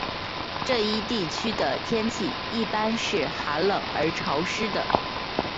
这一地区的天气一般是寒冷而潮湿的。